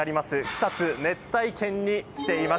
草津熱帯圏に来ています。